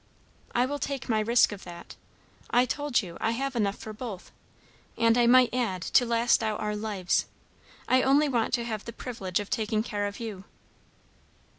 "I will take my risk of that. I told you, I have enough for both. And I might add, to last out our lives. I only want to have the privilege of taking care of you."